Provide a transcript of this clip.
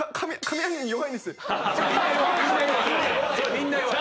みんな弱い。